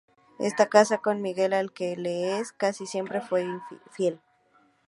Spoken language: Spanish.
Está casada con Miquel al que le es, casi siempre, muy fiel.